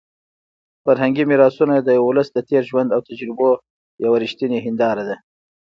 فرهنګي میراثونه د یو ولس د تېر ژوند او تجربو یوه رښتونې هنداره ده.